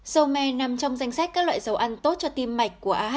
dầu mè nằm trong danh sách các loại dầu ăn tốt cho tim mạch của aha